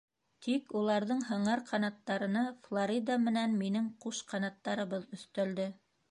Тик уларҙың һыңар ҡанаттарына Флорида менән минең ҡуш ҡанаттарыбыҙ өҫтәлде.